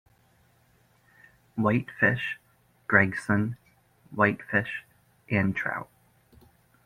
Whitefish, Gregson, whitefish and trout.